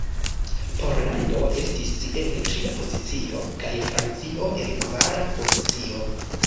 Pollando estis en tria pozicio, kaj Francio en kvara pozicio.